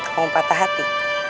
kamu patah hati